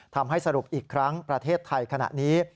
ทำให้สรุปอีกครั้งประเทศไทยขณะนี้